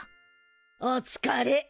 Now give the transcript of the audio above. おつかれ。